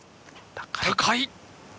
高い！